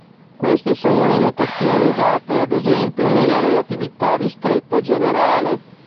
Queste sono le notazioni usate ad esempio nella relatività ristretta e generale.